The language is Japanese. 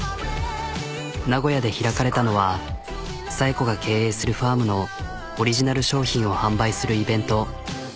名古屋で開かれたのは紗栄子が経営するファームのオリジナル商品を販売するイベント。